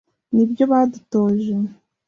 nibyo badutoje